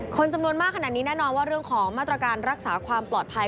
คนจำนวนมากขนาดนี้แน่นอนว่าเรื่องของมาตรการรักษาความปลอดภัย